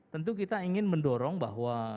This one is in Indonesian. tentu kita ingin mendorong bahwa